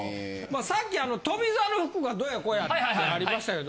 さっき富澤の服がどうやこうやってありましたけど。